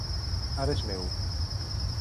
Ara és meu.